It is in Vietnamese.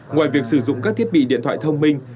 ngoài việc sử dụng các thiết bị điện thoại thông minh